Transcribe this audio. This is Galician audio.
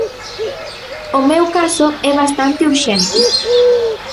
O meu caso é bastante urxente.